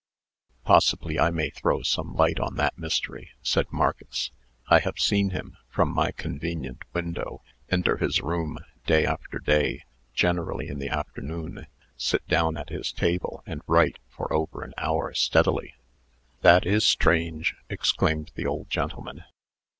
"Possibly I may throw some light on that mystery," said Marcus. "I have seen him, from my convenient window, enter his room, day after day, generally in the afternoon, sit down at his table, and write for over an hour steadily." "That is strange!" exclaimed the old gentleman.